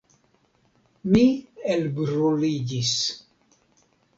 Mi elbruliĝis.